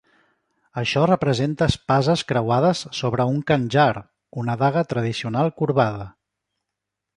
Això representa espasses creuades sobre un "khanjar", una daga tradicional corbada.